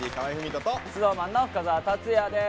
ＳｎｏｗＭａｎの深澤辰哉です。